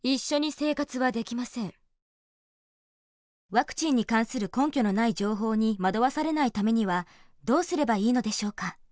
ワクチンに関する根拠のない情報に惑わされないためにはどうすればいいのでしょうか。